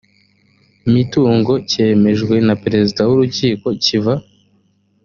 mitungo cyemejwe na perezida w urukiko kiva